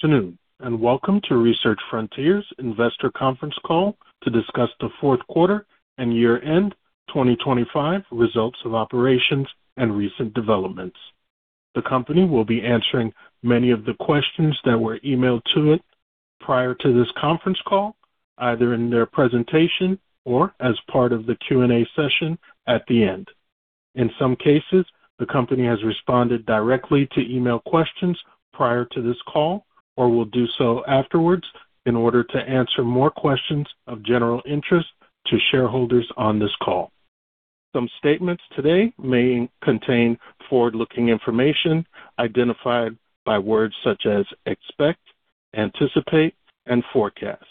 Good afternoon. Welcome to Research Frontiers investor conference call to discuss the fourth quarter and year-end 2025 results of operations and recent developments. The company will be answering many of the questions that were emailed to it prior to this conference call, either in their presentation or as part of the Q&A session at the end. In some cases, the company has responded directly to email questions prior to this call, or will do so afterwards in order to answer more questions of general interest to shareholders on this call. Some statements today may contain forward-looking information identified by words such as expect, anticipate, and forecast.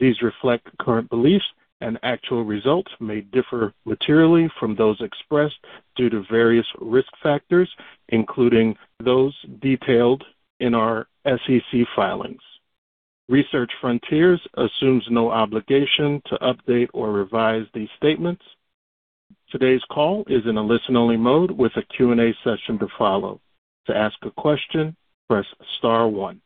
These reflect current beliefs and actual results may differ materially from those expressed due to various risk factors, including those detailed in our SEC filings. Research Frontiers assumes no obligation to update or revise these statements. Today's call is in a listen-only mode with a Q&A session to follow. To ask a question, press star one.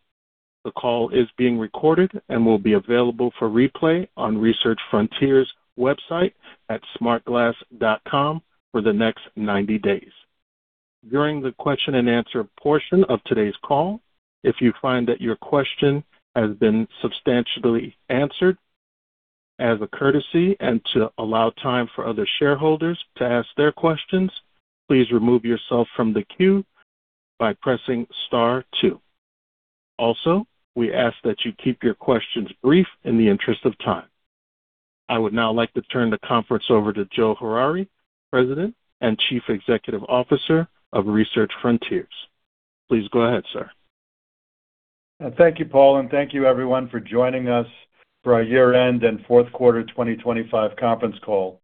The call is being recorded and will be available for replay on Research Frontiers' website at smartglass.com for the next 90 days. During the question and answer portion of today's call, if you find that your question has been substantially answered, as a courtesy and to allow time for other shareholders to ask their questions, please remove yourself from the queue by pressing star two. We ask that you keep your questions brief in the interest of time. I would now like to turn the conference over to Joe Harary, President and Chief Executive Officer of Research Frontiers. Please go ahead, sir. Thank you, Paul, and thank you everyone for joining us for our year-end and fourth quarter 2025 conference call.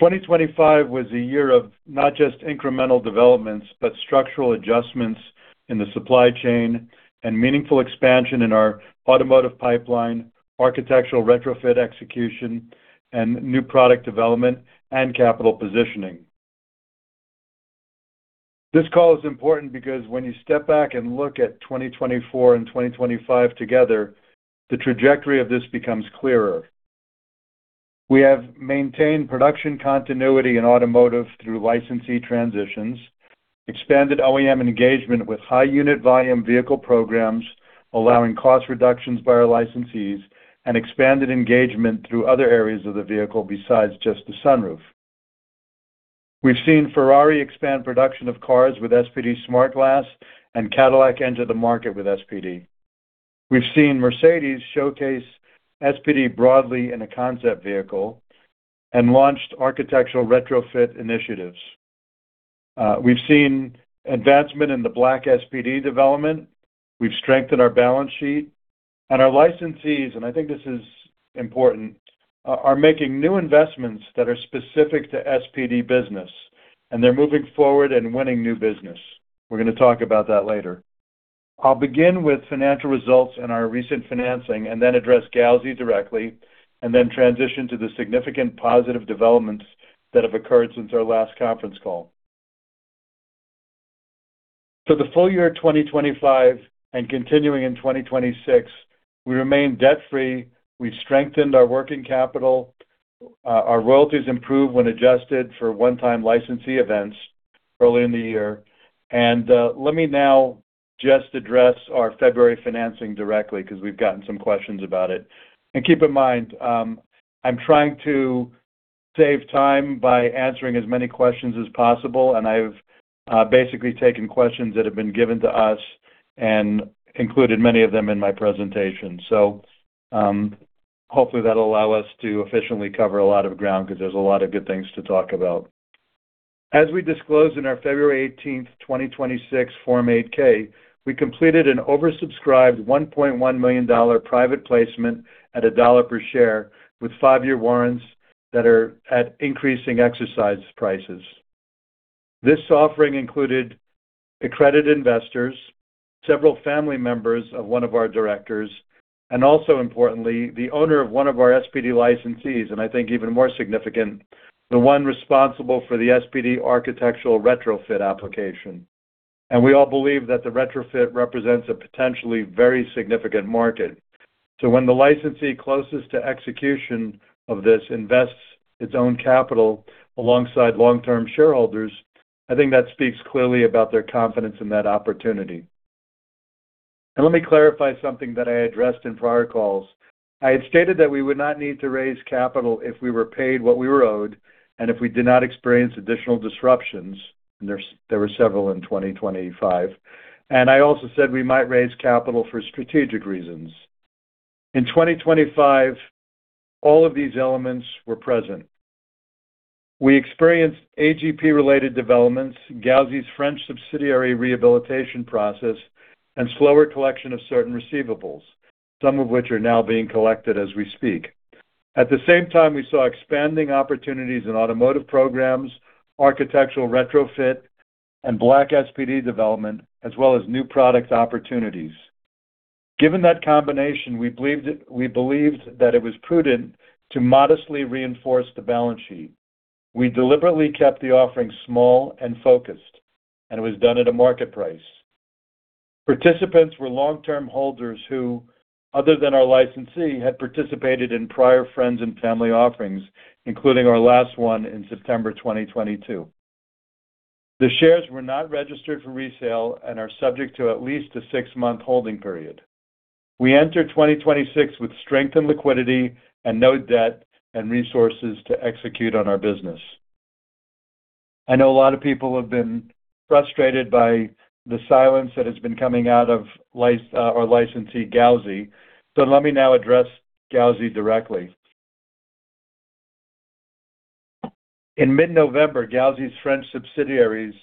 2025 was a year of not just incremental developments, but structural adjustments in the supply chain and meaningful expansion in our automotive pipeline, architectural retrofit execution, and new product development and capital positioning. This call is important because when you step back and look at 2024 and 2025 together, the trajectory of this becomes clearer. We have maintained production continuity in automotive through licensee transitions, expanded OEM engagement with high unit volume vehicle programs, allowing cost reductions by our licensees and expanded engagement through other areas of the vehicle besides just the sunroof. We've seen Ferrari expand production of cars with SPD-SmartGlass and Cadillac enter the market with SPD. We've seen Mercedes showcase SPD broadly in a concept vehicle and launched architectural retrofit initiatives. We've seen advancement in the black SPD development. We've strengthened our balance sheet and our licensees, and I think this is important, are making new investments that are specific to SPD business, and they're moving forward and winning new business. We're gonna talk about that later. I'll begin with financial results and our recent financing and then address Gauzy directly and then transition to the significant positive developments that have occurred since our last conference call. For the full year 2025 and continuing in 2026, we remain debt-free. We've strengthened our working capital. Our royalties improved when adjusted for one-time licensee events early in the year. Let me now just address our February financing directly because we've gotten some questions about it. Keep in mind, I'm trying to save time by answering as many questions as possible, and I've basically taken questions that have been given to us and included many of them in my presentation. Hopefully, that'll allow us to efficiently cover a lot of ground because there's a lot of good things to talk about. As we disclosed in our February 18th, 2026 Form 8-K, we completed an oversubscribed $1.1 million private placement at $1 per share with five-year warrants that are at increasing exercise prices. This offering included accredited investors, several family members of one of our directors, and also importantly, the owner of one of our SPD licensees, and I think even more significant, the one responsible for the SPD architectural retrofit application. We all believe that the retrofit represents a potentially very significant market. When the licensee closest to execution of this invests its own capital alongside long-term shareholders, I think that speaks clearly about their confidence in that opportunity. Let me clarify something that I addressed in prior calls. I had stated that we would not need to raise capital if we were paid what we were owed and if we did not experience additional disruptions, there were several in 2025. I also said we might raise capital for strategic reasons. In 2025, all of these elements were present. We experienced AGP-related developments, Gauzy's French subsidiary rehabilitation process, and slower collection of certain receivables, some of which are now being collected as we speak. At the same time, we saw expanding opportunities in automotive programs, architectural retrofit, and black SPD development, as well as new product opportunities. Given that combination, we believed that it was prudent to modestly reinforce the balance sheet. We deliberately kept the offering small and focused, and it was done at a market price. Participants were long-term holders who, other than our licensee, had participated in prior friends and family offerings, including our last one in September 2022. The shares were not registered for resale and are subject to at least a six-month holding period. We enter 2026 with strength and liquidity and no debt and resources to execute on our business. I know a lot of people have been frustrated by the silence that has been coming out of our licensee, Gauzy. Let me now address Gauzy directly. In mid-November, Gauzy's French subsidiaries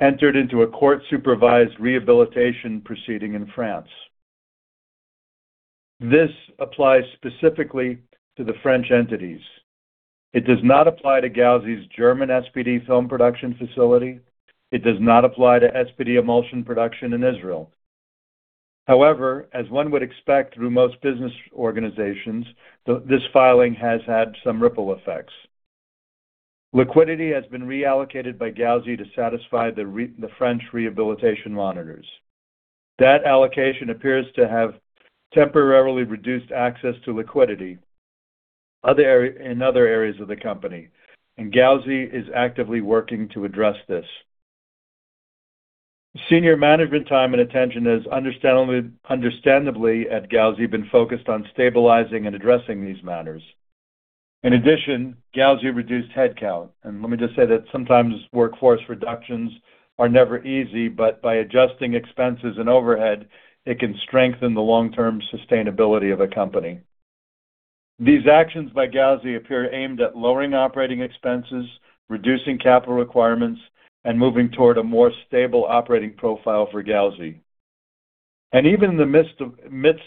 entered into a court-supervised rehabilitation proceeding in France. This applies specifically to the French entities. It does not apply to Gauzy's German SPD film production facility. It does not apply to SPD emulsion production in Israel. However, as one would expect through most business organizations, this filing has had some ripple effects. Liquidity has been reallocated by Gauzy to satisfy the French rehabilitation monitors. That allocation appears to have temporarily reduced access to liquidity in other areas of the company, and Gauzy is actively working to address this. Senior management time and attention has understandably at Gauzy been focused on stabilizing and addressing these matters. In addition, Gauzy reduced headcount. Let me just say that sometimes workforce reductions are never easy, but by adjusting expenses and overhead, it can strengthen the long-term sustainability of a company. These actions by Gauzy appear aimed at lowering operating expenses, reducing capital requirements, and moving toward a more stable operating profile for Gauzy. Even in the midst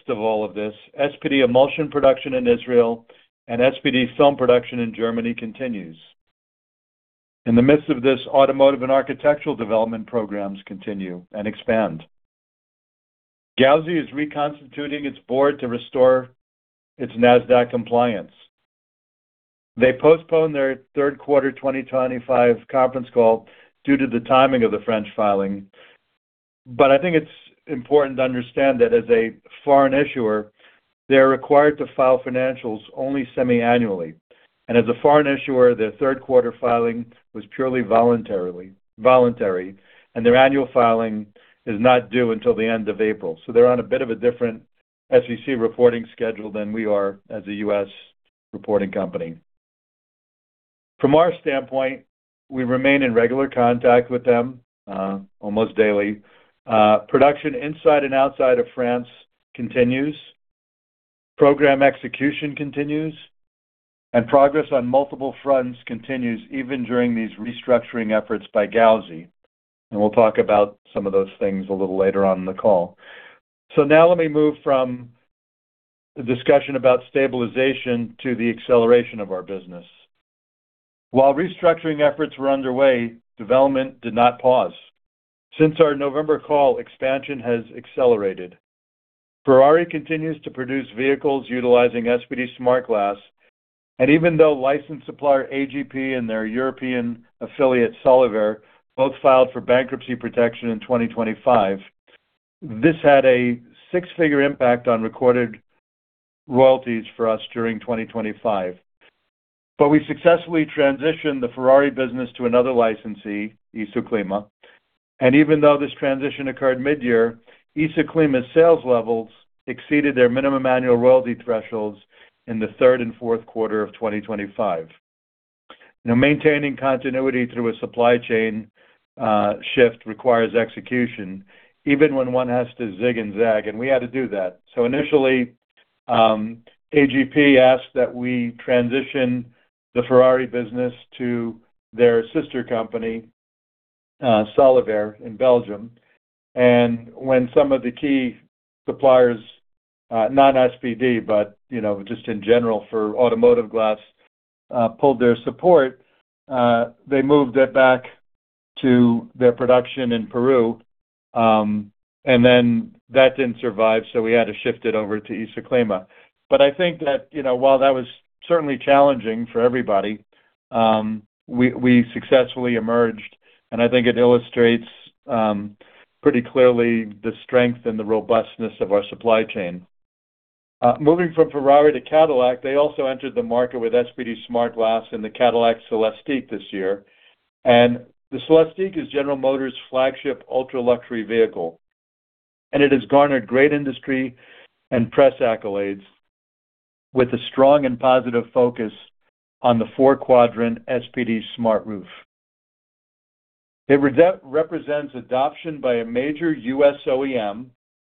of all of this, SPD emulsion production in Israel and SPD film production in Germany continues. In the midst of this, automotive and architectural development programs continue and expand. Gauzy is reconstituting its Board to restore its Nasdaq compliance. They postponed their third quarter 2025 conference call due to the timing of the French filing. I think it's important to understand that as a foreign issuer, they're required to file financials only semi-annually. As a foreign issuer, their third quarter filing was purely voluntary, and their annual filing is not due until the end of April. They're on a bit of a different SEC reporting schedule than we are as a U.S. reporting company. From our standpoint, we remain in regular contact with them, almost daily. Production inside and outside of France continues. Program execution continues. Progress on multiple fronts continues even during these restructuring efforts by Gauzy. We'll talk about some of those things a little later on in the call. Now let me move from the discussion about stabilization to the acceleration of our business. While restructuring efforts were underway, development did not pause. Since our November call, expansion has accelerated. Ferrari continues to produce vehicles utilizing SPD-SmartGlass. Even though licensed supplier AGP and their European affiliate, Soliver, both filed for bankruptcy protection in 2025, this had a six-figure impact on recorded royalties for us during 2025. We successfully transitioned the Ferrari business to another licensee, Isoclima. Even though this transition occurred mid-year, Isoclima's sales levels exceeded their minimum annual royalty thresholds in the third and fourth quarter of 2025. Now, maintaining continuity through a supply chain shift requires execution, even when one has to zig and zag, and we had to do that. Initially, AGP asked that we transition the Ferrari business to their sister company, Soliver in Belgium. When some of the key suppliers, not SPD, but you know, just in general for automotive glass, pulled their support, they moved it back to their production in Peru, then that didn't survive, so we had to shift it over to Isoclima. I think that, you know, while that was certainly challenging for everybody, we successfully emerged, and I think it illustrates pretty clearly the strength and the robustness of our supply chain. Moving from Ferrari to Cadillac, they also entered the market with SPD-SmartGlass in the Cadillac Celestiq this year. The Celestiq is General Motors' flagship ultra-luxury vehicle, and it has garnered great industry and press accolades with a strong and positive focus on the four-quadrant SPD-SmartGlass roof. It represents adoption by a major U.S. OEM,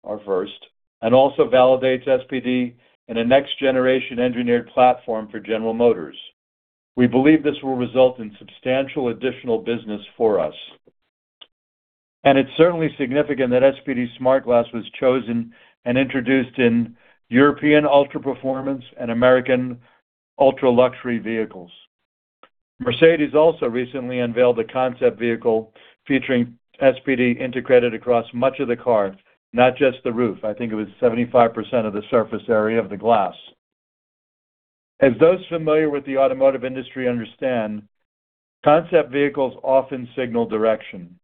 our first, and also validates SPD in a next-generation engineered platform for General Motors. We believe this will result in substantial additional business for us. It's certainly significant that SPD-SmartGlass was chosen and introduced in European ultra-performance and American ultra-luxury vehicles. Mercedes also recently unveiled a concept vehicle featuring SPD integrated across much of the car, not just the roof. I think it was 75% of the surface area of the glass. As those familiar with the automotive industry understand, concept vehicles often signal direction.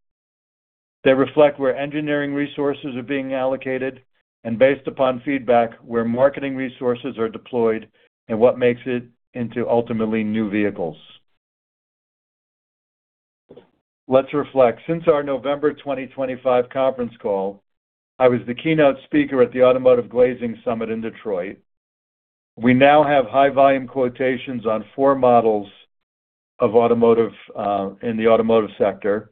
They reflect where engineering resources are being allocated, and based upon feedback, where marketing resources are deployed and what makes it into ultimately new vehicles. Let's reflect. Since our November 2025 conference call, I was the keynote speaker at the Automotive Glazing Summit in Detroit. We now have high volume quotations on four models of automotive in the automotive sector.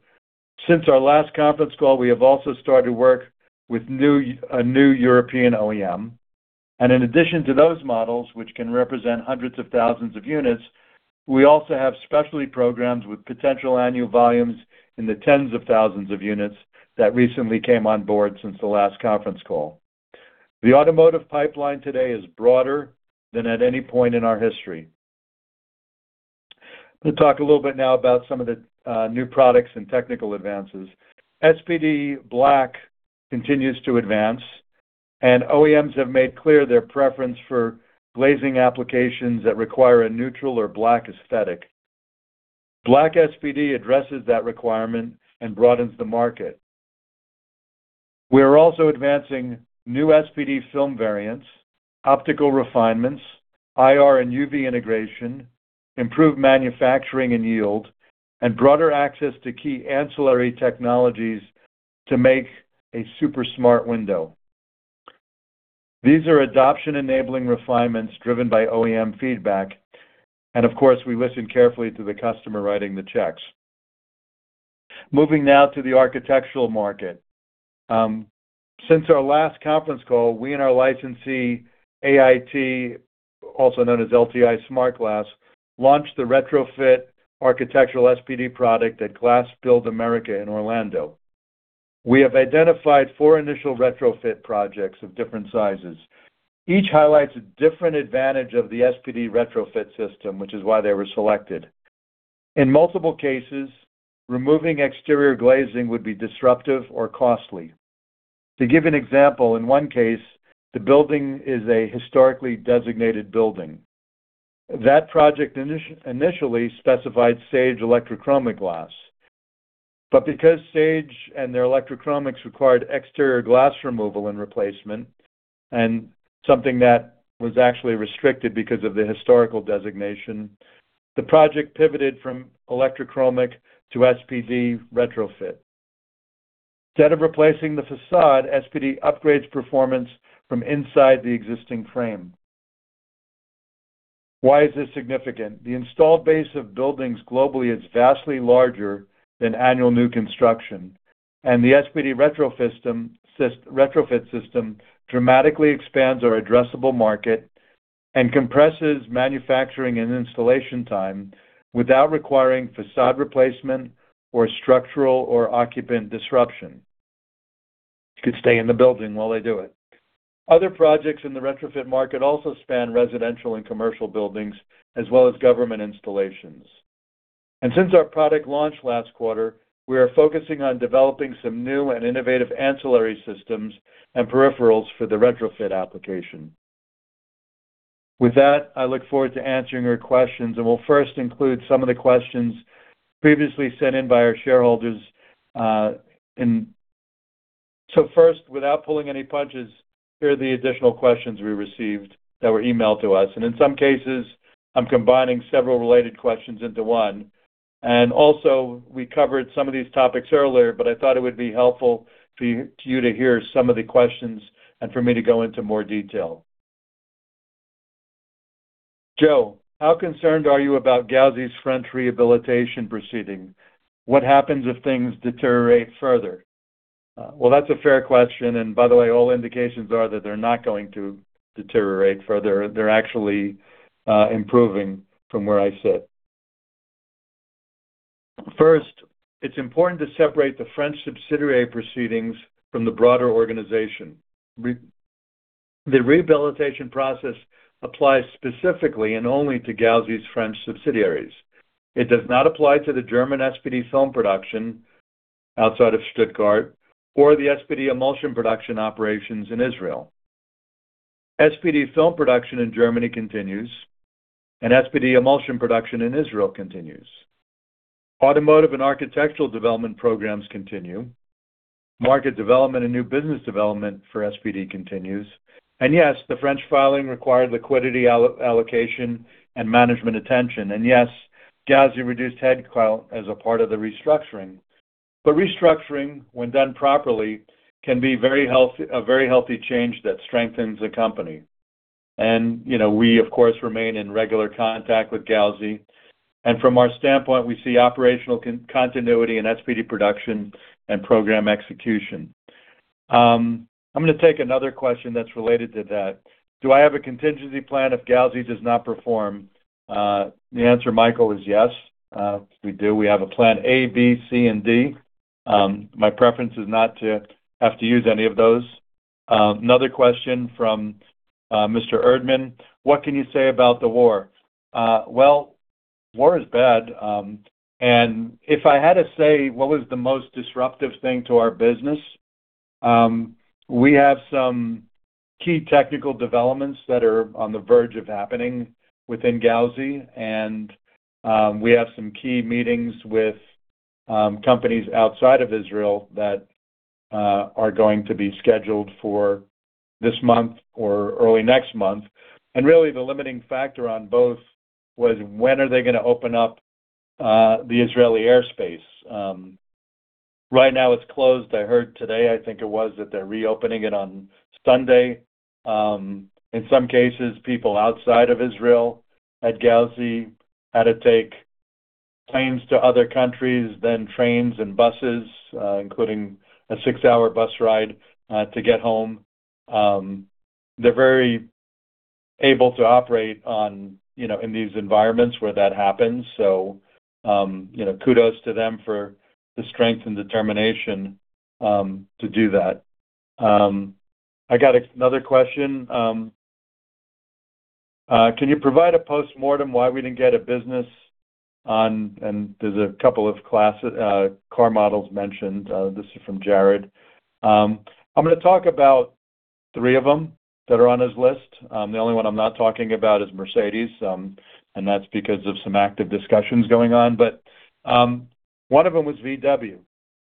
Since our last conference call, we have also started work with a new European OEM. In addition to those models, which can represent hundreds of thousands of units, we also have specialty programs with potential annual volumes in the tens of thousands of units that recently came on board since the last conference call. The automotive pipeline today is broader than at any point in our history. Let's talk a little bit now about some of the new products and technical advances. SPD black continues to advance, and OEMs have made clear their preference for glazing applications that require a neutral or black aesthetic. Black SPD addresses that requirement and broadens the market. We are also advancing new SPD film variants, optical refinements, IR and UV integration, improved manufacturing and yield, and broader access to key ancillary technologies to make a super smart window. These are adoption-enabling refinements driven by OEM feedback, of course, we listen carefully to the customer writing the checks. Since our last conference call, we and our licensee, AIT, also known as LTI Smart Glass, launched the retrofit architectural SPD product at GlassBuild America in Orlando. We have identified four initial retrofit projects of different sizes. Each highlights a different advantage of the SPD retrofit system, which is why they were selected. In multiple cases, removing exterior glazing would be disruptive or costly. To give an example, in one case, the building is a historically designated building. That project initially specified Sage electrochromic glass. Because Sage and their electrochromics required exterior glass removal and replacement, and something that was actually restricted because of the historical designation, the project pivoted from electrochromic to SPD retrofit. Instead of replacing the facade, SPD upgrades performance from inside the existing frame. Why is this significant? The installed base of buildings globally is vastly larger than annual new construction, the SPD retrofit system dramatically expands our addressable market and compresses manufacturing and installation time without requiring facade replacement or structural or occupant disruption. You could stay in the building while they do it. Other projects in the retrofit market also span residential and commercial buildings, as well as government installations. Since our product launch last quarter, we are focusing on developing some new and innovative ancillary systems and peripherals for the retrofit application. With that, I look forward to answering your questions. We'll first include some of the questions previously sent in by our shareholders. First, without pulling any punches, here are the additional questions we received that were emailed to us. In some cases, I'm combining several related questions into one. Also, we covered some of these topics earlier, but I thought it would be helpful for you to hear some of the questions and for me to go into more detail. Joe, how concerned are you about Gauzy's French rehabilitation proceeding? What happens if things deteriorate further? Well, that's a fair question. By the way, all indications are that they're not going to deteriorate further. They're actually improving from where I sit. First, it's important to separate the French subsidiary proceedings from the broader organization. The rehabilitation process applies specifically and only to Gauzy's French subsidiaries. It does not apply to the German SPD film production outside of Stuttgart or the SPD emulsion production operations in Israel. SPD film production in Germany continues, and SPD emulsion production in Israel continues. Automotive and architectural development programs continue. Market development and new business development for SPD continues. Yes, the French filing required liquidity allocation and management attention. Yes, Gauzy reduced headcount as a part of the restructuring. Restructuring, when done properly, can be a very healthy change that strengthens a company. You know, we, of course, remain in regular contact with Gauzy. From our standpoint, we see operational continuity in SPD production and program execution. I'm gonna take another question that's related to that. Do I have a contingency plan if Gauzy does not perform? The answer, Michael, is yes. We do. We have a plan A, B, C, and D. My preference is not to have to use any of those. Another question from Mr. Erdman. What can you say about the war? Well, war is bad. If I had to say what was the most disruptive thing to our business, we have some key technical developments that are on the verge of happening within Gauzy, we have some key meetings with companies outside of Israel that are going to be scheduled for this month or early next month. Really the limiting factor on both was when are they gonna open up the Israeli airspace. Right now it's closed. I heard today, I think it was, that they're reopening it on Sunday. In some cases, people outside of Israel at Gauzy had to take planes to other countries, then trains and buses, including a six-hour bus ride to get home. They're very able to operate on, you know, in these environments where that happens. Kudos to them for the strength and determination to do that. I got another question. Can you provide a postmortem why we didn't get a business on? There's a couple of class car models mentioned. This is from Jared. I'm gonna talk about three of them that are on his list. The only one I'm not talking about is Mercedes, and that's because of some active discussions going on. One of them was VW.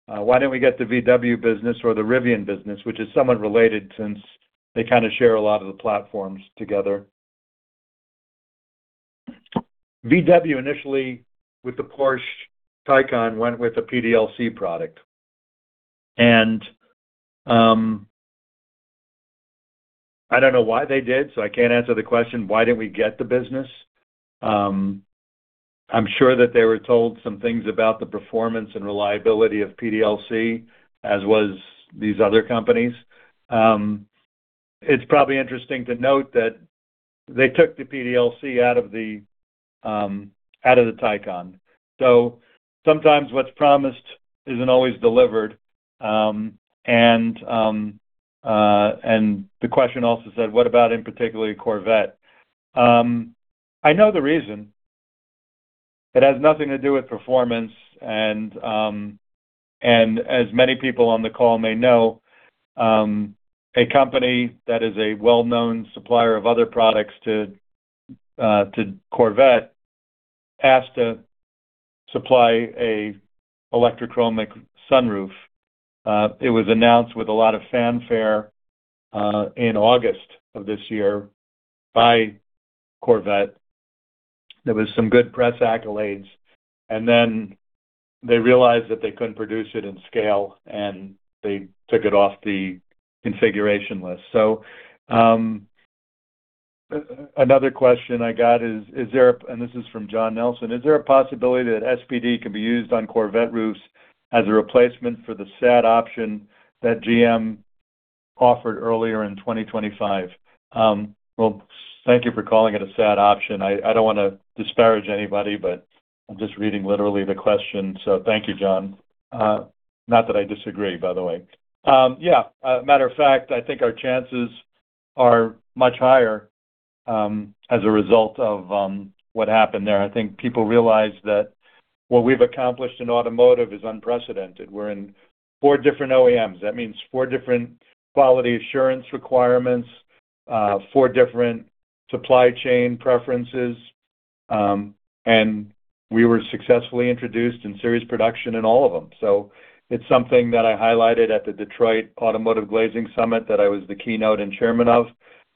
Why didn't we get the VW business or the Rivian business, which is somewhat related since they kinda share a lot of the platforms together. VW initially with the Porsche Taycan went with a PDLC product. I don't know why they did, so I can't answer the question, why didn't we get the business? I'm sure that they were told some things about the performance and reliability of PDLC, as was these other companies. It's probably interesting to note that they took the PDLC out of the out of the Taycan. Sometimes what's promised isn't always delivered. The question also said, what about in particular Corvette? I know the reason. It has nothing to do with performance, as many people on the call may know, a company that is a well-known supplier of other products to Corvette asked to supply a electrochromic sunroof. It was announced with a lot of fanfare in August of this year by Corvette. There was some good press accolades, and then they realized that they couldn't produce it in scale, and they took it off the configuration list. Another question I got is, and this is from John Nelson. Is there a possibility that SPD can be used on Corvette roofs as a replacement for the sad option that GM offered earlier in 2025? Well, thank you for calling it a sad option. I don't wanna disparage anybody, but I'm just reading literally the question. So thank you, John. Not that I disagree, by the way. Yeah, as a matter of fact, I think our chances are much higher as a result of what happened there. I think people realized that what we've accomplished in automotive is unprecedented. We're in four different OEMs. That means four different quality assurance requirements, four different supply chain preferences, we were successfully introduced in serious production in all of them. It's something that I highlighted at the Detroit Automotive Glazing Summit that I was the keynote and chairman of.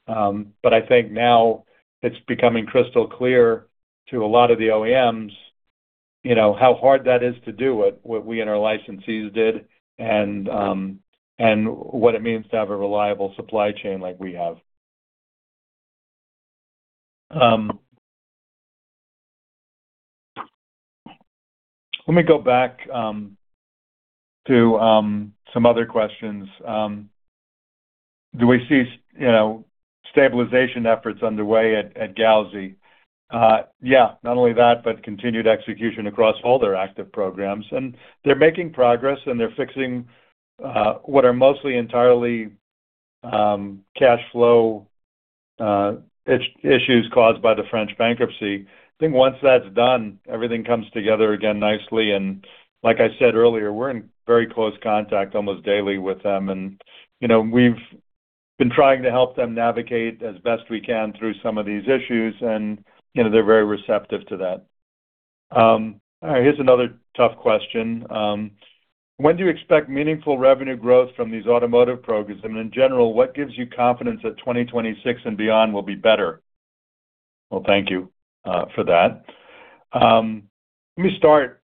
I think now it's becoming crystal clear to a lot of the OEMs, you know, how hard that is to do, what we and our licensees did, what it means to have a reliable supply chain like we have. Let me go back to some other questions. Do we see you know, stabilization efforts underway at Gauzy? Yeah, not only that, but continued execution across all their active programs. They're making progress, and they're fixing what are mostly entirely cash flow issues caused by the French bankruptcy. I think once that's done, everything comes together again nicely. Like I said earlier, we're in very close contact almost daily with them. You know, we've been trying to help them navigate as best we can through some of these issues, and, you know, they're very receptive to that. All right, here's another tough question. When do you expect meaningful revenue growth from these automotive programs? In general, what gives you confidence that 2026 and beyond will be better? Well, thank you for that. Let me start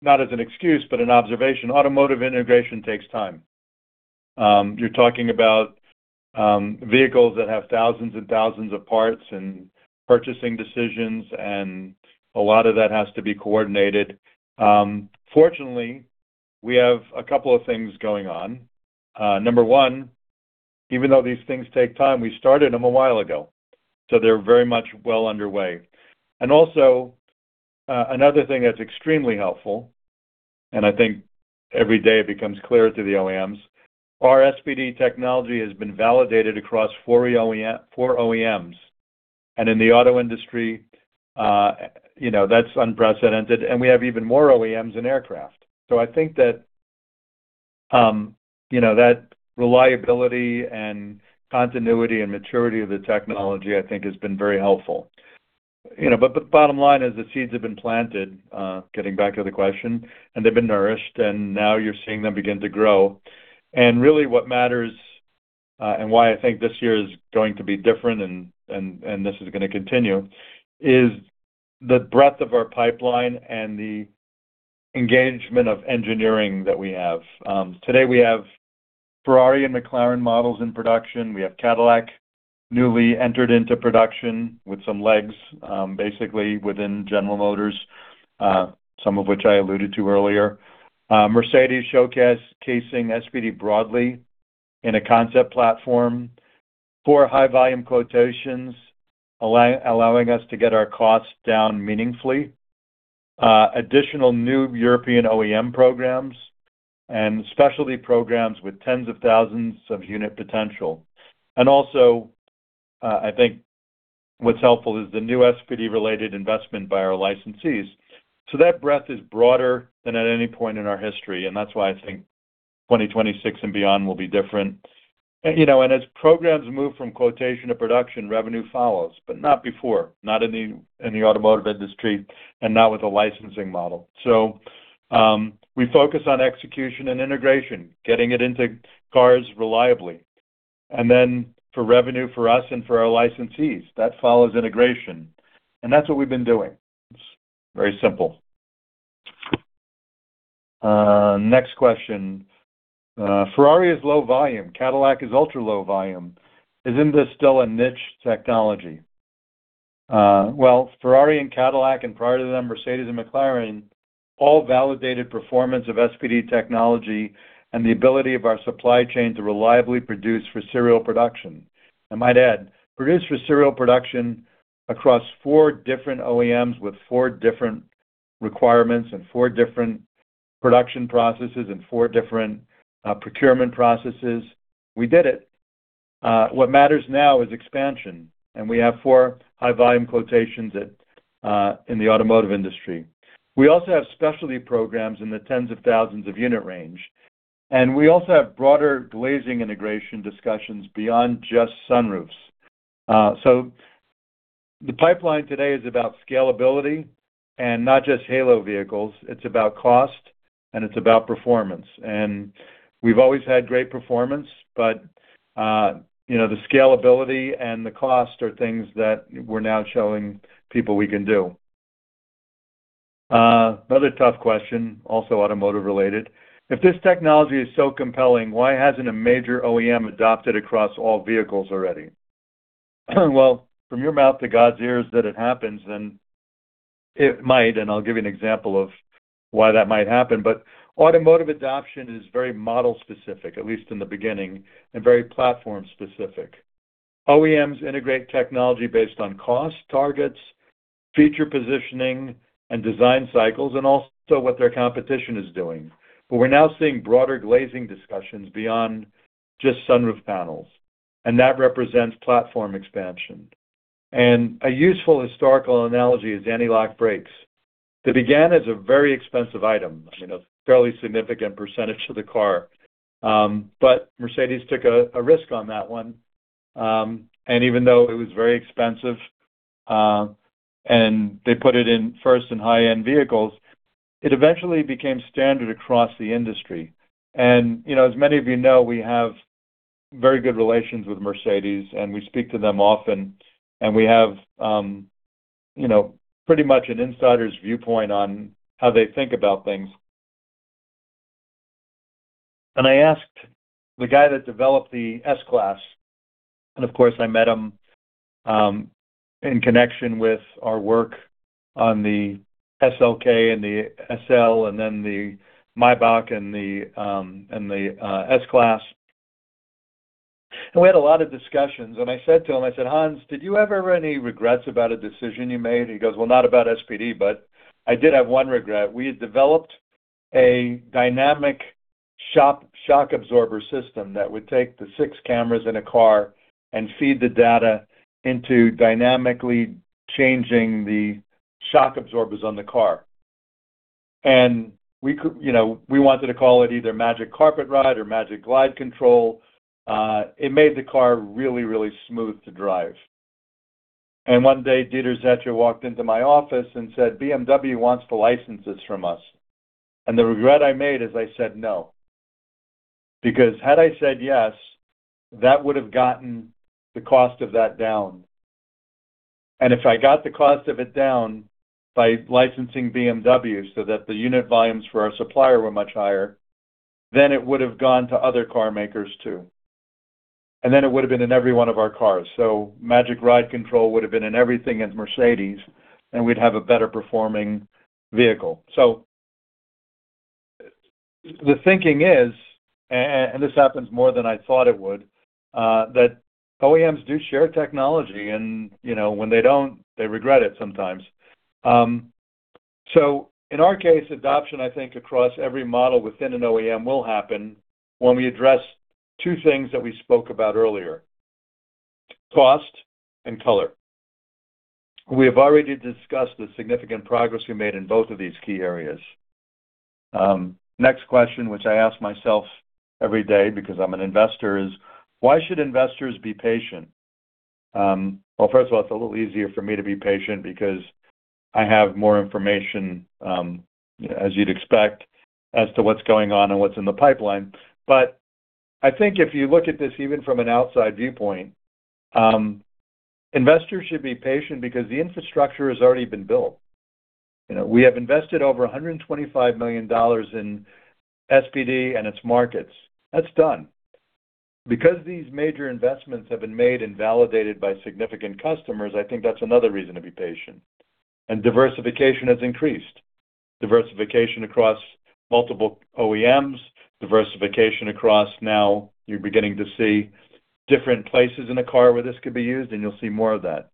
not as an excuse, but an observation. Automotive integration takes time. You're talking about vehicles that have thousands and thousands of parts and purchasing decisions, a lot of that has to be coordinated. Fortunately, we have a couple of things going on. Number one, even though these things take time, we started them a while ago, so they're very much well underway. Also, another thing that's extremely helpful and I think every day it becomes clearer to the OEMs. Our SPD technology has been validated across four OEMs. In the auto industry, you know, that's unprecedented, and we have even more OEMs in aircraft. I think that, you know, that reliability and continuity and maturity of the technology, I think has been very helpful. You know, the bottom line is the seeds have been planted, getting back to the question, and they've been nourished, and now you're seeing them begin to grow. Really what matters, and why I think this year is going to be different and this is gonna continue, is the breadth of our pipeline and the engagement of engineering that we have. Today we have Ferrari and McLaren models in production. We have Cadillac newly entered into production with some legs, basically within General Motors, some of which I alluded to earlier. Mercedes showcasing SPD broadly in a concept platform. Four high volume quotations allowing us to get our costs down meaningfully. Additional new European OEM programs and specialty programs with tens of thousands of unit potential. I think what's helpful is the new SPD-related investment by our licensees. That breadth is broader than at any point in our history, and that's why I think 2026 and beyond will be different. As programs move from quotation to production, revenue follows, but not before, not in the automotive industry and not with a licensing model. We focus on execution and integration, getting it into cars reliably. For revenue for us and for our licensees, that follows integration. That's what we've been doing. It's very simple. Next question. Ferrari is low volume. Cadillac is ultra-low volume. Isn't this still a niche technology? Well, Ferrari and Cadillac, and prior to them, Mercedes and McLaren, all validated performance of SPD technology and the ability of our supply chain to reliably produce for serial production. I might add, produce for serial production across four different OEMs with four different requirements and four different production processes and four different procurement processes. We did it. What matters now is expansion, and we have four high volume quotations at in the automotive industry. We also have specialty programs in the tens of thousands of unit range, and we also have broader glazing integration discussions beyond just sunroofs. The pipeline today is about scalability and not just halo vehicles. It's about cost, and it's about performance. We've always had great performance, but, you know, the scalability and the cost are things that we're now showing people we can do. Another tough question, also automotive related. If this technology is so compelling, why hasn't a major OEM adopted across all vehicles already? From your mouth to God's ears that it happens, and it might, and I'll give you an example of why that might happen. Automotive adoption is very model specific, at least in the beginning, and very platform specific. OEMs integrate technology based on cost, targets, feature positioning, and design cycles, and also what their competition is doing. We're now seeing broader glazing discussions beyond just sunroof panels, and that represents platform expansion. A useful historical analogy is anti-lock brakes. They began as a very expensive item, I mean, a fairly significant percentage of the car. Mercedes took a risk on that one. Even though it was very expensive, they put it in first in high-end vehicles, it eventually became standard across the industry. You know, as many of you know, we have very good relations with Mercedes, and we speak to them often. We have, you know, pretty much an insider's viewpoint on how they think about things. I asked the guy that developed the S-Class, and of course, I met him in connection with our work on the SLK and the SL, and then the Maybach and the S-Class. We had a lot of discussions. I said to him, I said, "Hans, did you ever have any regrets about a decision you made?" He goes, "Well, not about SPD, but I did have one regret. We had developed a dynamic shock absorber system that would take the six cameras in a car and feed the data into dynamically changing the shock absorbers on the car. You know, we wanted to call it either Magic Carpet Ride or Magic Glide Control. It made the car really, really smooth to drive. One day, Dieter Zetsche walked into my office and said, 'BMW wants to license this from us.' The regret I made is I said, 'No.' Because had I said yes, that would have gotten the cost of that down. If I got the cost of it down by licensing BMW so that the unit volumes for our supplier were much higher, then it would have gone to other car makers, too. It would have been in every one of our cars. Magic Glide Control would have been in everything at Mercedes-Benz, and we'd have a better performing vehicle. This happens more than I thought it would, that OEMs do share technology and, you know, when they don't, they regret it sometimes. In our case, adoption, I think, across every model within an OEM will happen when we address two things that we spoke about earlier: cost and color. We have already discussed the significant progress we made in both of these key areas. Next question, which I ask myself every day because I'm an investor, is why should investors be patient? Well, first of all, it's a little easier for me to be patient because I have more information, as you'd expect, as to what's going on and what's in the pipeline. I think if you look at this even from an outside viewpoint, investors should be patient because the infrastructure has already been built. You know, we have invested over $125 million in SPD and its markets. That's done. These major investments have been made and validated by significant customers, I think that's another reason to be patient. Diversification has increased. Diversification across multiple OEMs, diversification across now you're beginning to see different places in a car where this could be used, and you'll see more of that.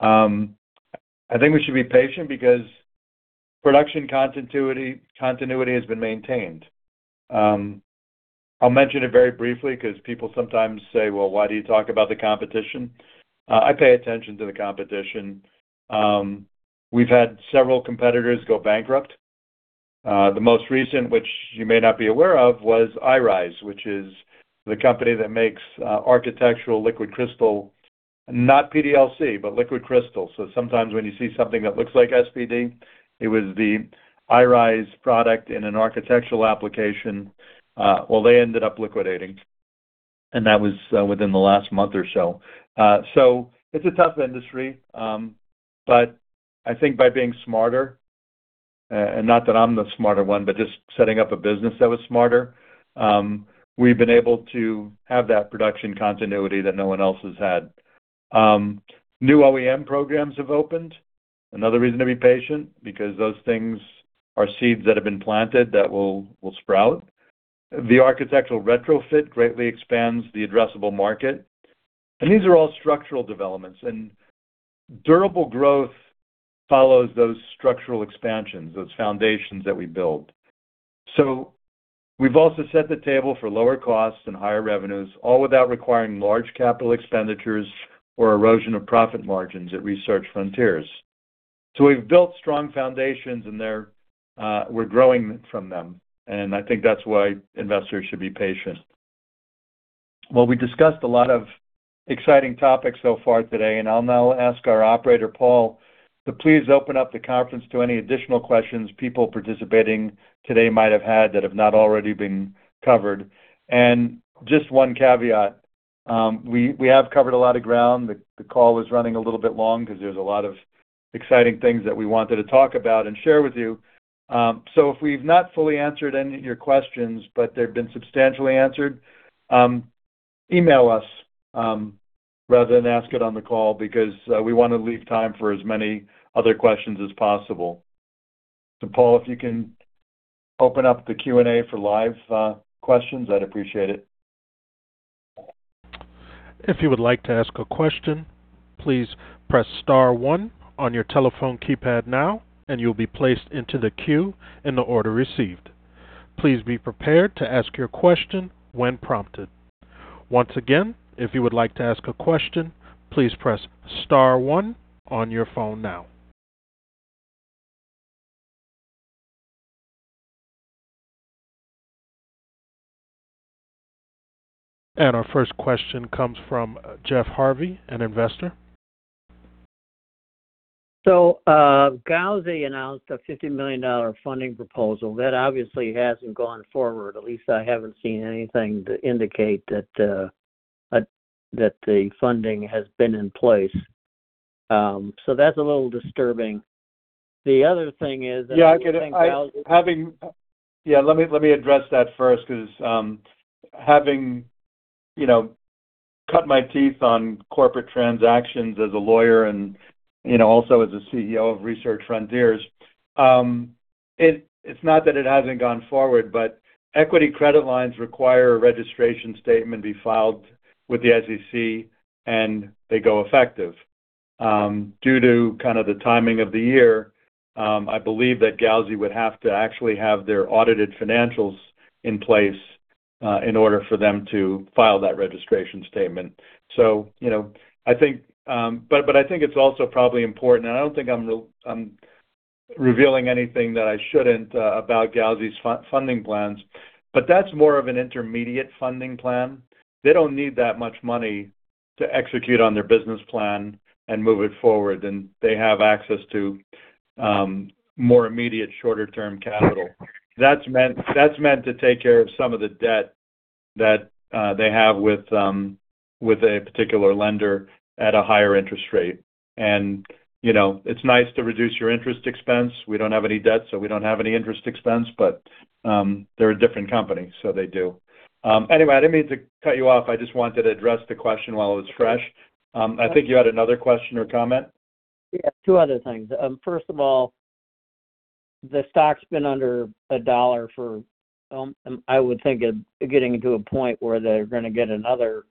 I think we should be patient because production continuity has been maintained. I'll mention it very briefly because people sometimes say, "Well, why do you talk about the competition?" I pay attention to the competition. We've had several competitors go bankrupt. The most recent, which you may not be aware of, was eyrise, which is the company that makes architectural liquid crystal, not PDLC, but liquid crystal. Sometimes when you see something that looks like SPD, it was the eyrise product in an architectural application. Well, they ended up liquidating, and that was within the last month or so. It's a tough industry, but I think by being smarter, and not that I'm the smarter one, but just setting up a business that was smarter, we've been able to have that production continuity that no one else has had. New OEM programs have opened. Another reason to be patient because those things are seeds that have been planted that will sprout. The architectural retrofit greatly expands the addressable market. These are all structural developments, and durable growth follows those structural expansions, those foundations that we build. We've also set the table for lower costs and higher revenues, all without requiring large capital expenditures or erosion of profit margins at Research Frontiers. We've built strong foundations, and they're, we're growing from them, and I think that's why investors should be patient. We discussed a lot of exciting topics so far today, and I'll now ask our operator, Paul, to please open up the conference to any additional questions people participating today might have had that have not already been covered. Just one caveat, we have covered a lot of ground. The call was running a little bit long because there's a lot of exciting things that we wanted to talk about and share with you. If we've not fully answered any of your questions, but they've been substantially answered, email us, rather than ask it on the call because we wanna leave time for as many other questions as possible. Paul, if you can open up the Q&A for live questions, I'd appreciate it. If you would like to ask a question, please press star one on your telephone keypad now, and you'll be placed into the queue in the order received. Please be prepared to ask your question when prompted. Once again, if you would like to ask a question, please press star one on your phone now. Our first question comes from Jeff Harvey, an investor. Gauzy announced a $50 million funding proposal. That obviously hasn't gone forward. At least I haven't seen anything to indicate that the funding has been in place. That's a little disturbing. The other thing is- Yeah, I get it. Yeah, let me address that first 'cause having, you know, cut my teeth on corporate transactions as a lawyer and, you know, also as a CEO of Research Frontiers, it's not that it hasn't gone forward, but equity credit lines require a registration statement be filed with the SEC, and they go effective. Due to kind of the timing of the year, I believe that Gauzy would have to actually have their audited financials in place in order for them to file that registration statement. You know, I think I think it's also probably important, and I don't think I'm revealing anything that I shouldn't about Gauzy's funding plans, but that's more of an intermediate funding plan. They don't need that much money to execute on their business plan and move it forward. They have access to more immediate shorter-term capital. That's meant to take care of some of the debt that they have with a particular lender at a higher interest rate. You know, it's nice to reduce your interest expense. We don't have any debt, so we don't have any interest expense, but they're a different company, so they do. Anyway, I didn't mean to cut you off. I just wanted to address the question while it was fresh. I think you had another question or comment. Yeah. Two other things. The stock's been under $1 for, I would think it getting to a point where they're gonna get another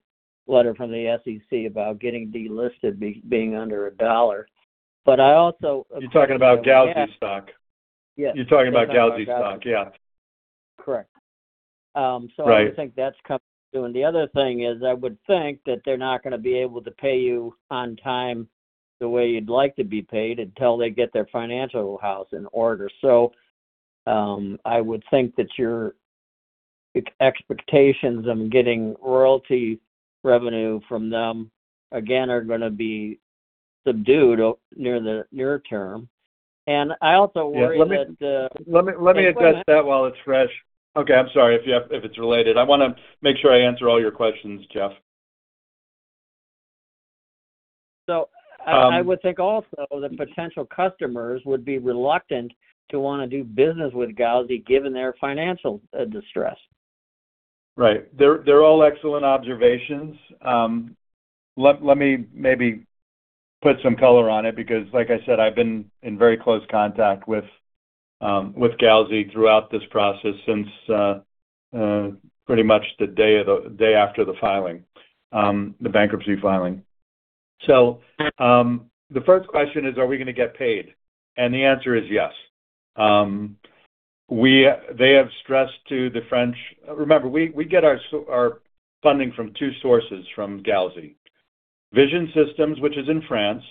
letter from the SEC about getting delisted being under $1. I also. You're talking about Gauzy stock? Yes. You're talking about Gauzy stock. Yeah. Correct. Right.... I would think that's coming soon. The other thing is I would think that they're not gonna be able to pay you on time the way you'd like to be paid until they get their financial house in order. I would think that your expectations of getting royalty revenue from them, again are gonna be subdued near the near term. I also worry that. Let me address that while it's fresh. Okay. I'm sorry if it's related. I wanna make sure I answer all your questions, Jeff. I would think also that potential customers would be reluctant to wanna do business with Gauzy given their financial distress. Right. They're all excellent observations. Let me maybe put some color on it because, like I said, I've been in very close contact with Gauzy throughout this process since pretty much the day after the filing, the bankruptcy filing. The first question is, are we gonna get paid? The answer is yes. We, they have stressed to the French... Remember, we get our funding from two sources from Gauzy. Vision Systems, which is in France.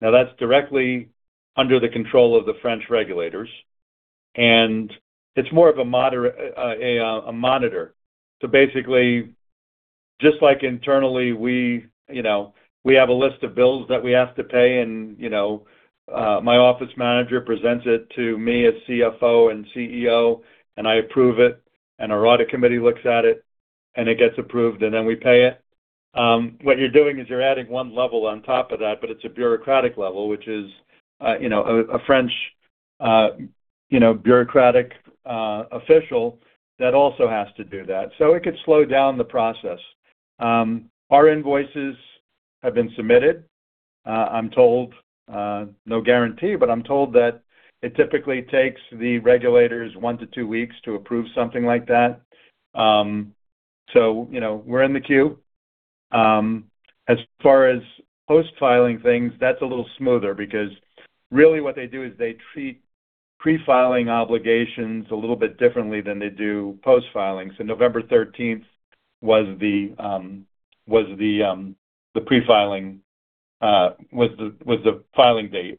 That's directly under the control of the French regulators, and it's more of a monitor. Basically, just like internally, we, you know, we have a list of bills that we have to pay and, you know, my office manager presents it to me as CFO and CEO, and I approve it, and our audit committee looks at it, and it gets approved, and then we pay it. What you're doing is you're adding one level on top of that, but it's a bureaucratic level, which is, you know, a French, you know, bureaucratic official that also has to do that. It could slow down the process. Our invoices have been submitted. I'm told, no guarantee, but I'm told that it typically takes the regulators one to two weeks to approve something like that. You know, we're in the queue. As far as post-filing things, that's a little smoother because really what they do is they treat pre-filing obligations a little bit differently than they do post-filings. November 13th was the filing date.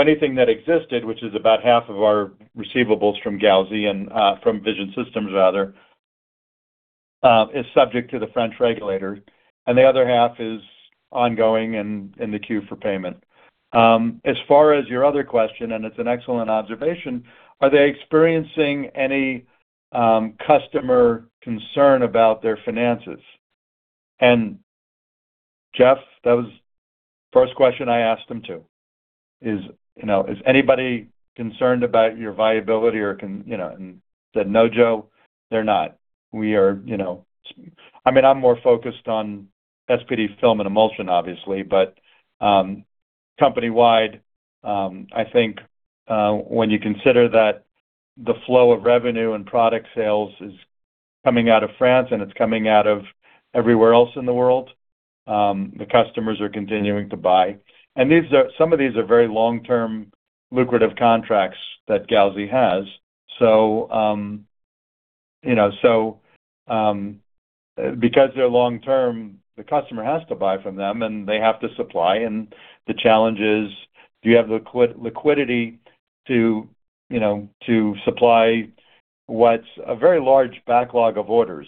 Anything that existed, which is about half of our receivables from Gauzy and from Vision Systems rather, is subject to the French regulator, and the other half is ongoing and in the queue for payment. As far as your other question, and it's an excellent observation, are they experiencing any customer concern about their finances? Jeff, that was first question I asked them too, is, you know, "Is anybody concerned about your viability or you know?" He said, "No, Joe, they're not. We are, you know, I mean, I'm more focused on SPD film and emulsion obviously, but company-wide, I think, when you consider that the flow of revenue and product sales is coming out of France and it's coming out of everywhere else in the world, the customers are continuing to buy. Some of these are very long-term, lucrative contracts that Gauzy has. You know, because they're long-term, the customer has to buy from them, and they have to supply. The challenge is, do you have liquidity to, you know, to supply what's a very large backlog of orders?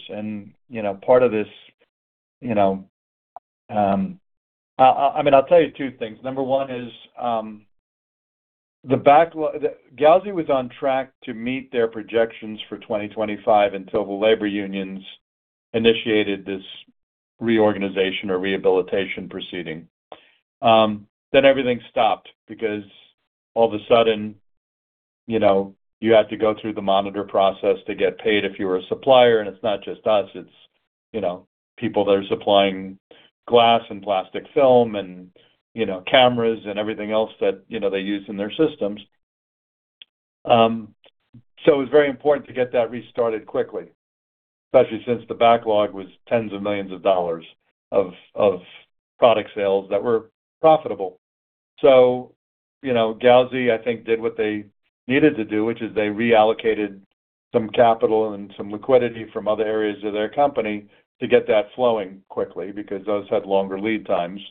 You know, part of this, you know, I mean, I'll tell you two things. Number one is, Gauzy was on track to meet their projections for 2025 until the labor unions initiated this reorganization or rehabilitation proceeding. Everything stopped because all of a sudden, you know, you had to go through the monitor process to get paid if you were a supplier. It's not just us, it's, you know, people that are supplying glass and plastic film and, you know, cameras and everything else that, you know, they use in their systems. It was very important to get that restarted quickly, especially since the backlog was tens of millions of dollars of product sales that were profitable. You know, Gauzy, I think, did what they needed to do, which is they reallocated some capital and some liquidity from other areas of their company to get that flowing quickly because those had longer lead times.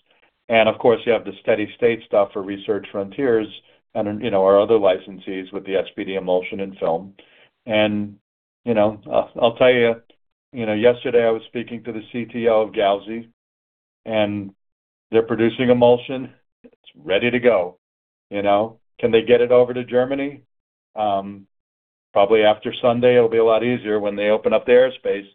Of course, you have the steady state stuff for Research Frontiers and, you know, our other licensees with the SPD emulsion and film. You know, I'll tell you know, yesterday I was speaking to the CTO of Gauzy, and they're producing emulsion. It's ready to go, you know. Can they get it over to Germany? Probably after Sunday it'll be a lot easier when they open up the airspace.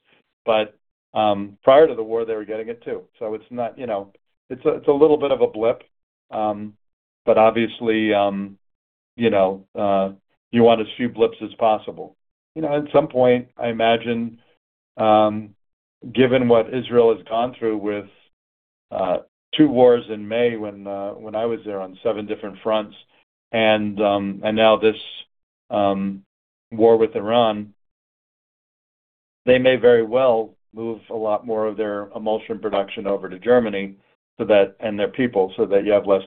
Prior to the war, they were getting it too. It's not, you know. It's a little bit of a blip. Obviously, you know, you want as few blips as possible. You know, at some point, I imagine, given what Israel has gone through with two wars in May when I was there on seven different fronts. Now this war with Iran. They may very well move a lot more of their emulsion production over to Germany so that and their people, so that you have less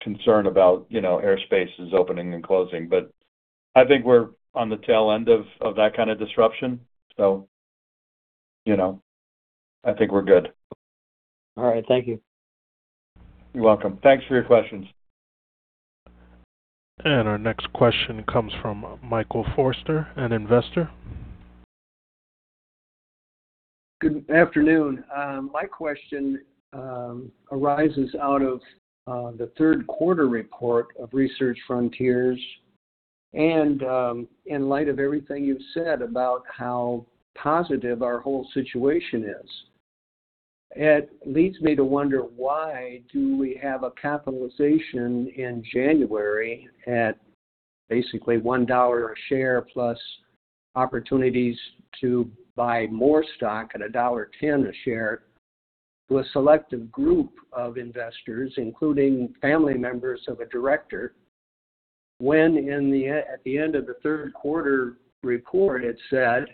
concern about, you know, airspaces opening and closing. I think we're on the tail end of that kind of disruption. You know, I think we're good. All right. Thank you. You're welcome. Thanks for your questions. Our next question comes from Michael Forster, an investor. Good afternoon. My question arises out of the third quarter report of Research Frontiers and, in light of everything you've said about how positive our whole situation is. It leads me to wonder why do we have a capitalization in January at basically $1 a share plus opportunities to buy more stock at $1.10 a share to a selective group of investors, including family members of a director, when at the end of the third quarter report, it said,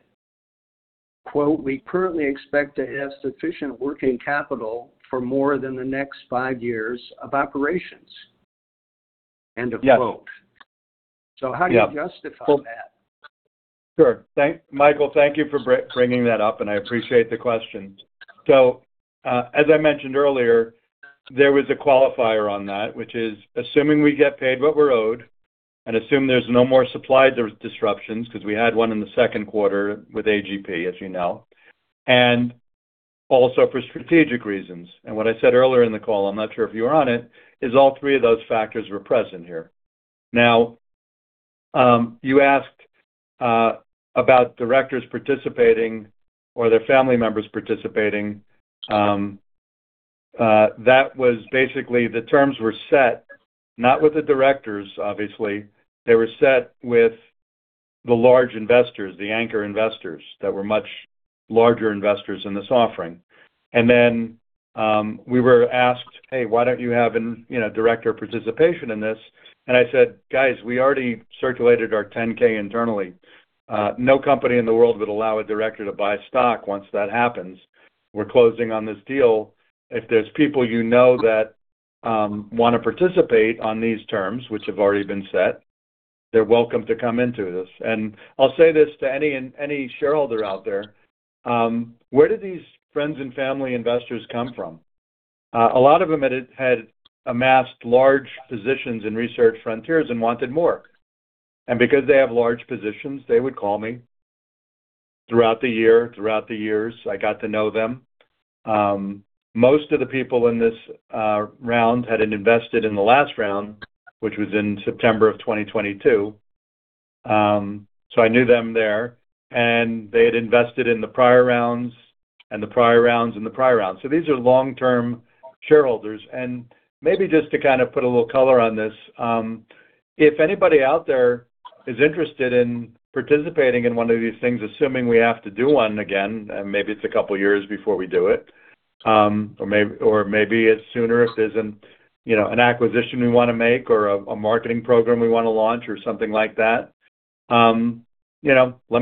quote, "We currently expect to have sufficient working capital for more than the next five years of operations." End of quote. Yes. How do you justify that? Sure. Michael, thank you for bringing that up, and I appreciate the question. As I mentioned earlier, there was a qualifier on that, which is assuming we get paid what we're owed, and assume there's no more supply disruptions, 'cause we had one in the second quarter with AGP, as you know, and also for strategic reasons. What I said earlier in the call, I'm not sure if you were on it, is all three of those factors were present here. You asked about directors participating or their family members participating. That was basically the terms were set, not with the directors, obviously. They were set with the large investors, the anchor investors that were much larger investors in this offering. Hey, why don't you have an, you know, director participation in this?" I said, "Guys, we already circulated our 10-K internally. No company in the world would allow a director to buy stock once that happens. We're closing on this deal. If there's people you know that, wanna participate on these terms, which have already been set, they're welcome to come into this." I'll say this to any shareholder out there, where did these friends and family investors come from? A lot of them had amassed large positions in Research Frontiers and wanted more. Because they have large positions, they would call me throughout the years. I got to know them. Most of the people in this round hadn't invested in the last round, which was in September of 2022. I knew them there. They had invested in the prior rounds and the prior rounds and the prior rounds. These are long-term shareholders. Maybe just to kind of put a little color on this, if anybody out there is interested in participating in one of these things, assuming we have to do one again, and maybe it's a couple of years before we do it, or maybe it's sooner if there's an acquisition we wanna make or a marketing program we wanna launch or something like that, let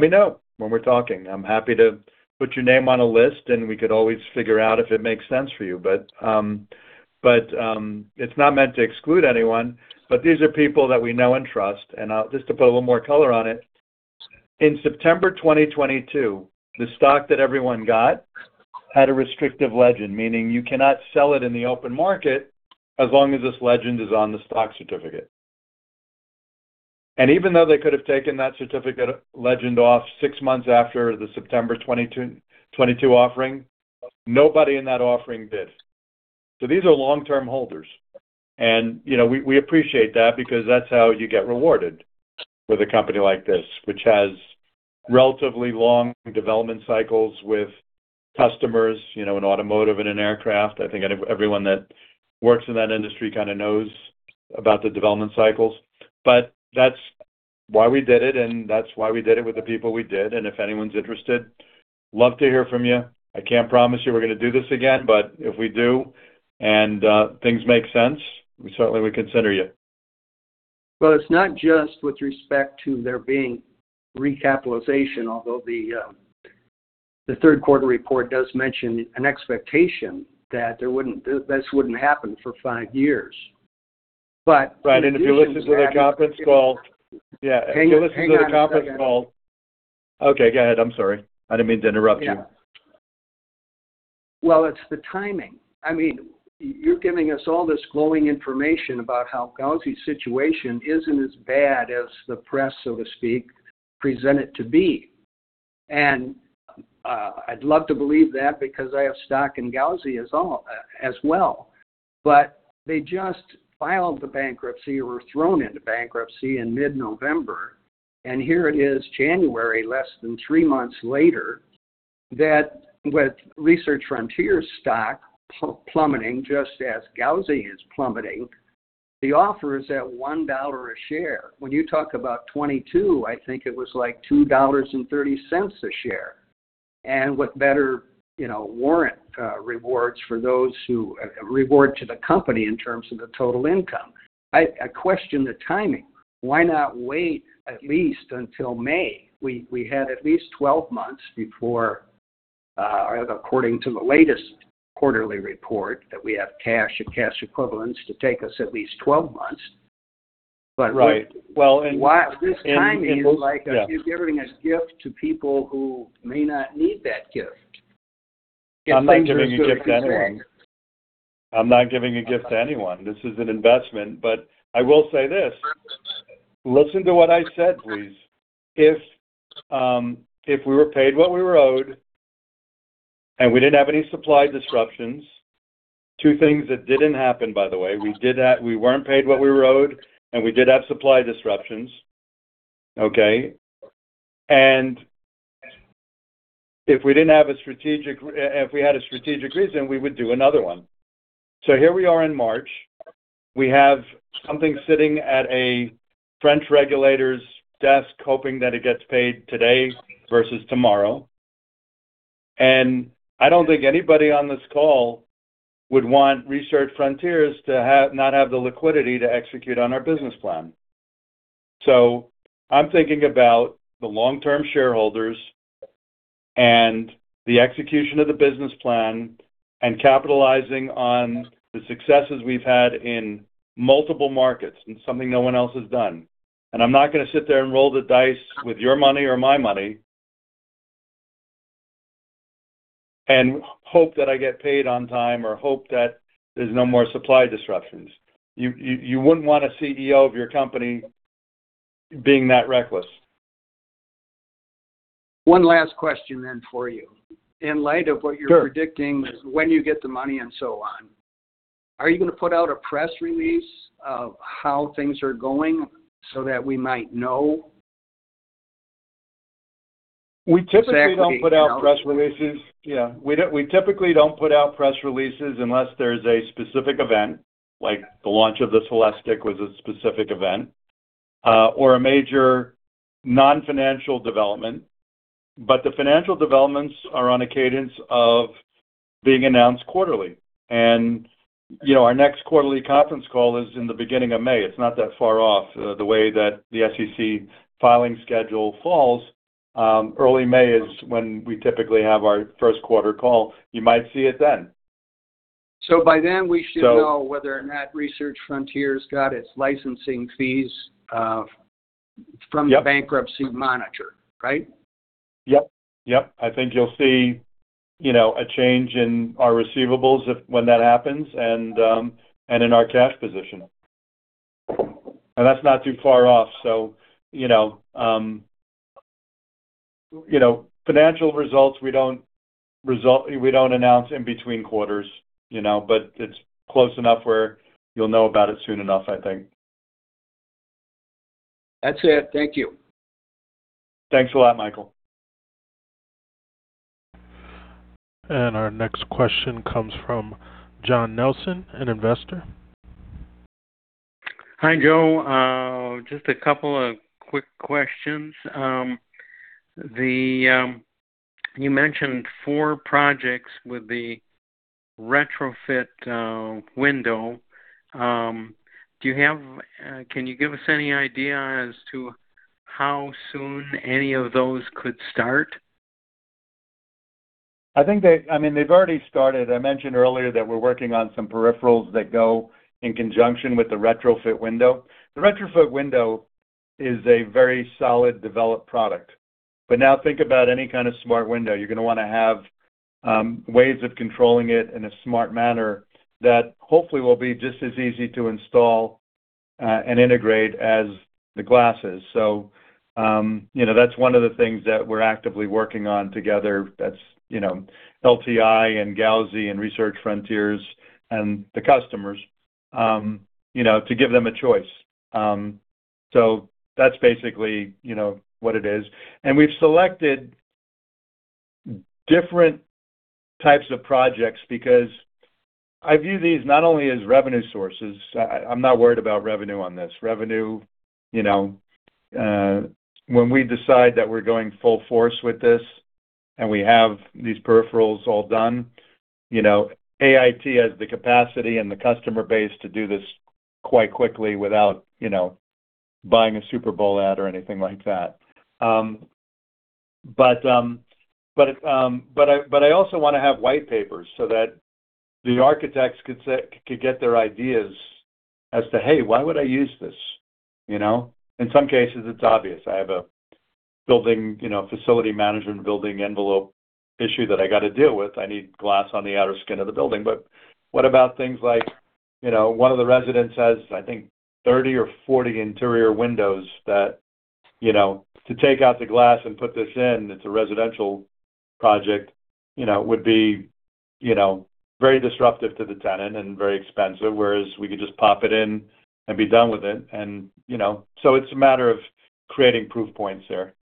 me know when we're talking. I'm happy to put your name on a list, and we could always figure out if it makes sense for you. It's not meant to exclude anyone. These are people that we know and trust. Just to put a little more color on it, in September 2022, the stock that everyone got had a restrictive legend, meaning you cannot sell it in the open market as long as this legend is on the stock certificate. Even though they could have taken that certificate legend off six months after the September 2022 offering, nobody in that offering did. These are long-term holders. You know, we appreciate that because that's how you get rewarded with a company like this, which has relatively long development cycles with customers, you know, in automotive and in aircraft. I think everyone that works in that industry kinda knows about the development cycles. That's why we did it, and that's why we did it with the people we did. If anyone's interested, love to hear from you. I can't promise you we're gonna do this again, but if we do and things make sense, we certainly would consider you. It's not just with respect to there being recapitalization, although the third quarter report does mention an expectation that there wouldn't happen for five years. Right. If you listen to the conference call. Yeah. Hang on. Hang on a second. If you listen to the conference call... Okay, go ahead. I'm sorry. I didn't mean to interrupt you. Well, it's the timing. I mean, you're giving us all this glowing information about how Gauzy's situation isn't as bad as the press, so to speak, present it to be. I'd love to believe that because I have stock in Gauzy as all as well. They just filed the bankruptcy or were thrown into bankruptcy in mid-November. Here it is January, less than three months later, that with Research Frontiers stock plummeting just as Gauzy is plummeting. The offer is at $1 a share. When you talk about 2022, I think it was like $2.30 a share. What better, you know, warrant rewards for those who reward to the company in terms of the total income. I question the timing. Why not wait at least until May? We had at least 12 months before, according to the latest quarterly report, that we have cash and cash equivalents to take us at least 12 months. We-. Right. Well. This timing is like you're giving a gift to people who may not need that gift. I'm not giving a gift to anyone. I'm not giving a gift to anyone. This is an investment. I will say this. Listen to what I said, please. If we were paid what we were owed, and we didn't have any supply disruptions, two things that didn't happen, by the way, we weren't paid what we were owed, and we did have supply disruptions, okay? If we had a strategic reason, we would do another one. Here we are in March. We have something sitting at a French regulator's desk hoping that it gets paid today versus tomorrow. I don't think anybody on this call would want Research Frontiers not have the liquidity to execute on our business plan. I'm thinking about the long-term shareholders and the execution of the business plan and capitalizing on the successes we've had in multiple markets and something no one else has done. I'm not gonna sit there and roll the dice with your money or my money and hope that I get paid on time or hope that there's no more supply disruptions. You wouldn't want a CEO of your company being that reckless. One last question for you. Sure. In light of what you're predicting when you get the money and so on, are you gonna put out a press release of how things are going so that we might know? We typically don't put out press releases. Yeah, we typically don't put out press releases unless there's a specific event, like the launch of the Celestiq was a specific event, or a major non-financial development. The financial developments are on a cadence of being announced quarterly. You know, our next quarterly conference call is in the beginning of May. It's not that far off. The way that the SEC filing schedule falls, early May is when we typically have our first quarter call. You might see it then. By then we should know whether or not Research Frontiers got its licensing fees from the bankruptcy monitor, right? Yep. Yep. I think you'll see, you know, a change in our receivables if when that happens and in our cash position. That's not too far off. you know, you know, financial results, we don't announce in between quarters, you know, but it's close enough where you'll know about it soon enough, I think. That's it. Thank you. Thanks a lot, Michael. Our next question comes from John Nelson, an Investor. Hi, Joe. Just a couple of quick questions. You mentioned four projects with the retrofit window. Do you have, can you give us any idea as to how soon any of those could start? I think I mean, they've already started. I mentioned earlier that we're working on some peripherals that go in conjunction with the retrofit window. The retrofit window is a very solid, developed product. Now think about any kind of smart window. You're gonna wanna have ways of controlling it in a smart manner that hopefully will be just as easy to install and integrate as the glasses. That's, you know, one of the things that we're actively working on together. That's, you know, LTI and Gauzy and Research Frontiers and the customers, you know, to give them a choice. That's basically, you know, what it is. We've selected different types of projects because I view these not only as revenue sources. I'm not worried about revenue on this. Revenue, you know, when we decide that we're going full force with this and we have these peripherals all done, you know, AIT has the capacity and the customer base to do this quite quickly without, you know, buying a Super Bowl ad or anything like that. I also wanna have white papers so that the architects could get their ideas as to, "Hey, why would I use this?" You know? In some cases, it's obvious. I have a building, you know, facility management building envelope issue that I gotta deal with. I need glass on the outer skin of the building. What about things like, you know, one of the residents has, I think, 30 or 40 interior windows that, you know, to take out the glass and put this in, it's a residential project, you know, would be, you know, very disruptive to the tenant and very expensive, whereas we could just pop it in and be done with it. You know, so it's a matter of creating proof points there.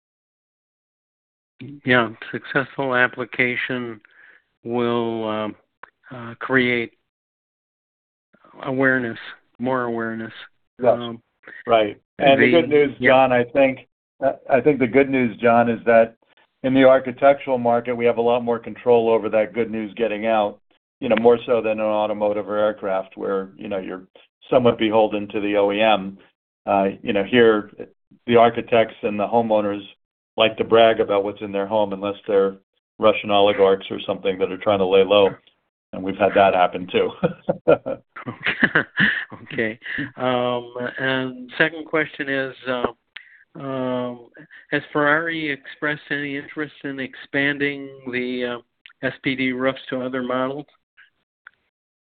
Successful application will create awareness, more awareness. Yeah. Right. The good news, John, I think the good news, John, is that in the architectural market, we have a lot more control over that good news getting out, you know, more so than an automotive or aircraft where, you know, you're somewhat beholden to the OEM. You know, here the architects and the homeowners like to brag about what's in their home, unless they're Russian oligarchs or something that are trying to lay low. We've had that happen, too. Okay. Second question is, has Ferrari expressed any interest in expanding the SPD roofs to other models?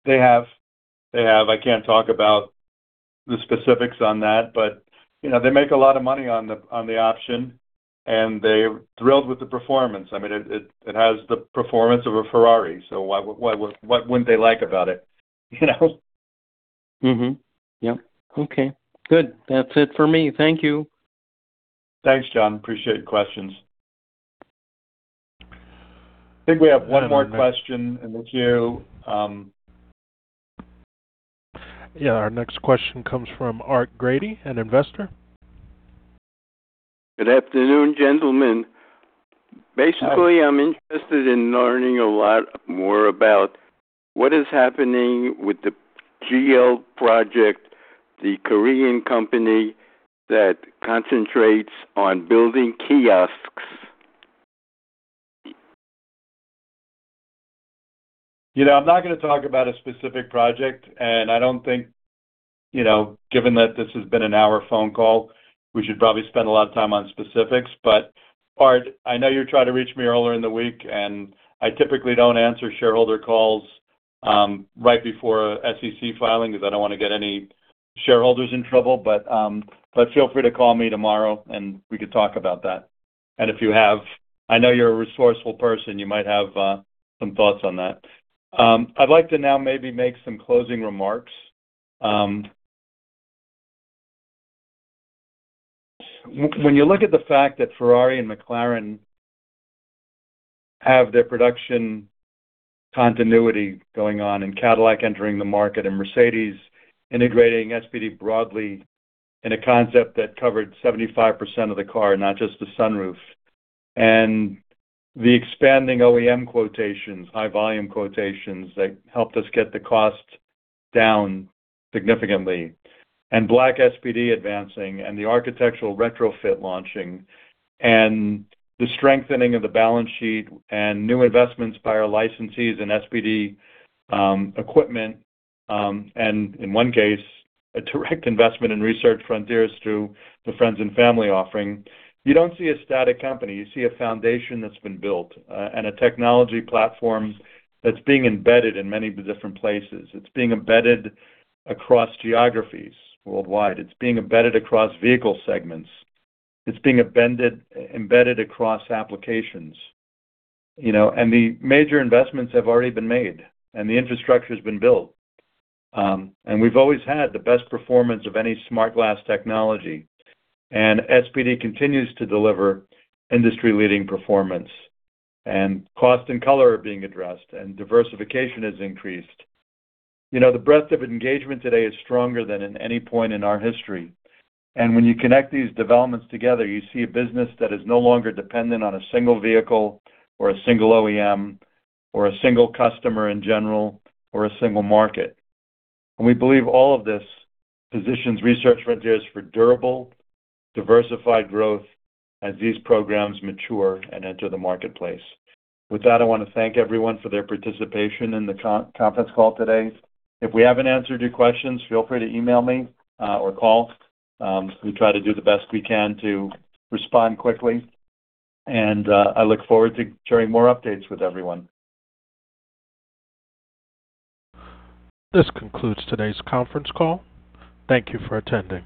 They have. They have. I can't talk about the specifics on that, but, you know, they make a lot of money on the option, and they're thrilled with the performance. I mean, it has the performance of a Ferrari, so why, what wouldn't they like about it, you know? Mm-hmm. Yep. Okay. Good. That's it for me. Thank you. Thanks, John. Appreciate your questions. I think we have one more question in the queue. Yeah. Our next question comes from Art Grady, an investor. Good afternoon, gentlemen. Basically, I'm interested in learning a lot more about what is happening with the LG project, the Korean company that concentrates on building kiosks. You know, I'm not gonna talk about a specific project. I don't think, you know, given that this has been an hour phone call, we should probably spend a lot of time on specifics. Art, I know you tried to reach me earlier in the week. I typically don't answer shareholder calls right before SEC filing because I don't wanna get any shareholders in trouble. But feel free to call me tomorrow. We can talk about that. I know you're a resourceful person, you might have some thoughts on that. I'd like to now maybe make some closing remarks. When you look at the fact that Ferrari and McLaren have their production continuity going on, and Cadillac entering the market, and Mercedes integrating SPD broadly in a concept that covered 75% of the car, not just the sunroof, and the expanding OEM quotations, high volume quotations that helped us get the cost down significantly, and black SPD advancing, and the architectural retrofit launching, and the strengthening of the balance sheet, and new investments by our licensees in SPD, equipment, and in one case, a direct investment in Research Frontiers through the friends and family offering, you don't see a static company. You see a foundation that's been built, and a technology platform that's being embedded in many of the different places. It's being embedded across geographies worldwide. It's being embedded across vehicle segments. It's being embedded across applications, you know. The major investments have already been made, and the infrastructure's been built. We've always had the best performance of any smart glass technology. SPD continues to deliver industry-leading performance. Cost and color are being addressed, and diversification has increased. You know, the breadth of engagement today is stronger than in any point in our history. When you connect these developments together, you see a business that is no longer dependent on a single vehicle or a single OEM or a single customer in general or a single market. We believe all of this positions Research Frontiers for durable, diversified growth as these programs mature and enter the marketplace. With that, I wanna thank everyone for their participation in the conference call today. If we haven't answered your questions, feel free to email me or call. We try to do the best we can to respond quickly. I look forward to sharing more updates with everyone. This concludes today's conference call. Thank you for attending.